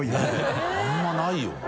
佑あんまないよな。